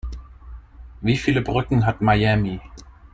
Wie viele Brücken hat Miami?